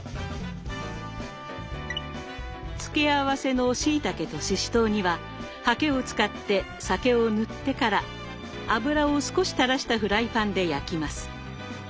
付け合わせのしいたけとししとうにはハケを使って酒を塗ってから油を少したらしたフライパンで焼きます。